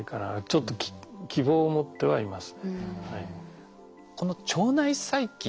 ちょっと希望を持ってはいますね。